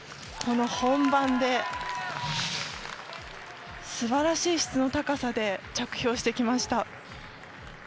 本番で、すばらしい質の高さで着氷してきました。